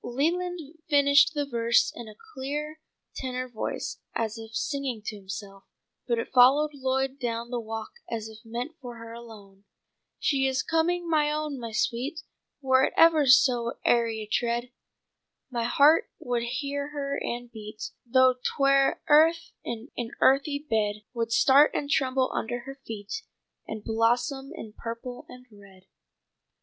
Leland finished the verse in a clear tenor voice as if singing to himself, but it followed Lloyd down the walk as if meant for her alone: "'She is coming, my own, my sweet! Were it ever so airy a tread My heart would hear her and beat Though 'twere earth in an earthy bed. Would start and tremble under her feet And blossom in purple and red.'"